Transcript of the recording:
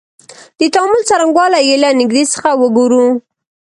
د تعامل څرنګوالی یې له نیږدې څخه وګورو.